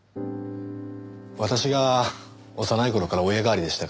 私が幼い頃から親代わりでしたから。